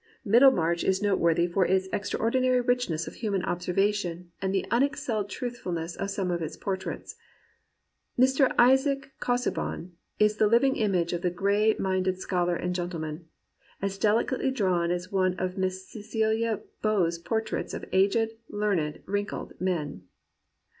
Middlemarch is noteworthy for its extraordinary richness of human observation and the unexcelled truthfulness of some of its portraits. Mr. Isaac Casaubon is the living image of the gray minded scholar and gentleman, — as deHcately drawn as one of Miss Ceceha Beaux ' portraits of aged, learned, wrinkled men.